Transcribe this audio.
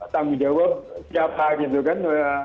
tanggung jawab siapa gitu kan